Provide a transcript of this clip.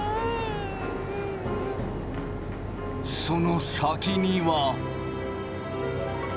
その先には。